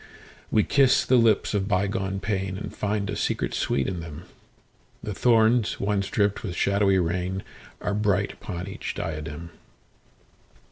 We kiss the lips of bygone painAnd find a secret sweet in them:The thorns once dripped with shadowy rainAre bright upon each diadem.